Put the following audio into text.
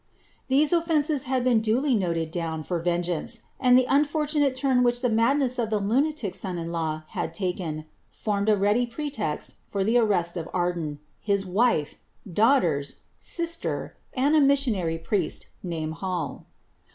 Tliese ofK'iiccs hail hccn duly note down for vengeance ; and ihe unfortunate turn which the madness o the lunatic son in law had taken, formed a ready pretext for the an« of Arden, his wife, daughters, sister, and a missionary priest naae Hall.